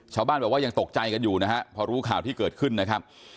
ชาวบ้านบอกว่ายังตกใจกันอยู่นะฮะพอรู้ข่าวที่เกิดขึ้นนะครับ